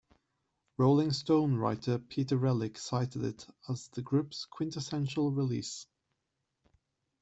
"Rolling Stone" writer Peter Relic cited it as the group's "quintessential release.